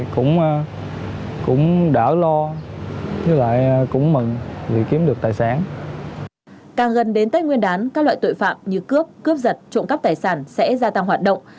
càng gần đến tết nguyên đán các loại tội phạm như cướp cướp giật trộm cắp tài sản sẽ gia tăng hoạt động